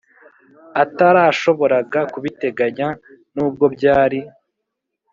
atarashoboraga kubiteganya nubwo byari